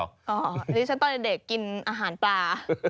อันนี้ฉันตอนเด็กกินอาหารปลา